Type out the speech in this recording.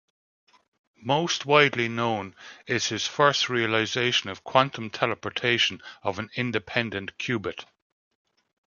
Most widely known is his first realization of quantum teleportation of an independent qubit.